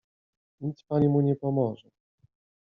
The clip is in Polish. "Nic pani mu nie pomoże."